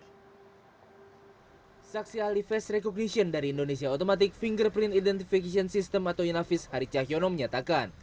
saksi ahli face recognition dari indonesia automatic fingerprint identification system atau inafis hari cahyono menyatakan